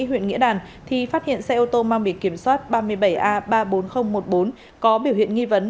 huyện nghĩa đàn thì phát hiện xe ô tô mang bị kiểm soát ba mươi bảy a ba mươi bốn nghìn một mươi bốn có biểu hiện nghi vấn